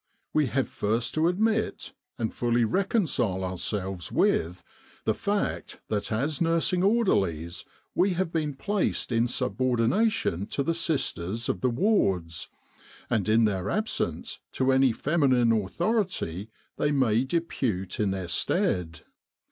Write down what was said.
We have first to admit, and fully to reconcile ourselves with, the fact that as nursing orderlies we have been placed in subordina tion to the sisters of the wards, and in their absence, to any feminine authority they may depute in their 268 Military General Hospitals in Egypt stead.